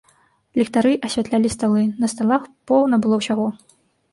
Ліхтары асвятлялі сталы, на сталах поўна было ўсяго.